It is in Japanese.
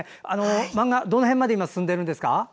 漫画、どの辺まで今進んでいるんですか？